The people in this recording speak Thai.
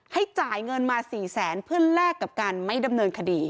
ให้จ่ายเงินมา๔แสนเพื่อแลกกับการไม่ดำเนินคดี